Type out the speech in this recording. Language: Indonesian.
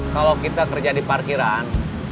kalau kita kerja di parkiran